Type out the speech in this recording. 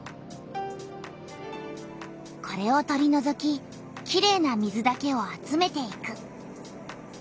これを取りのぞききれいな水だけを集めていく。